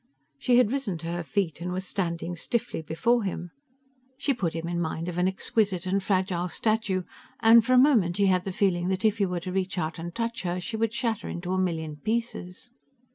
She had risen to her feet and was standing stiffly before him. She put him in mind of an exquisite and fragile statue, and for a moment he had the feeling that if he were to reach out and touch her, she would shatter into a million pieces.